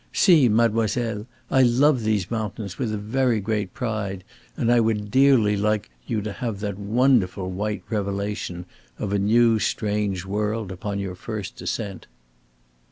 See, mademoiselle, I love these mountains with a very great pride and I would dearly like you to have that wonderful white revelation of a new strange world upon your first ascent."